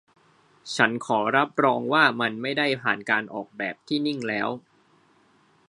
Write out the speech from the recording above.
ฉันขอรับรองว่ามันไม่ได้ผ่านการออกแบบที่นิ่งแล้ว